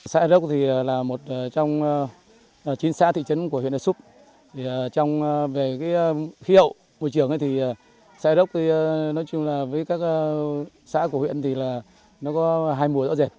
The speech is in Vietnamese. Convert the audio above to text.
xã air rốc là một trong chín xã thị trấn của huyện air soup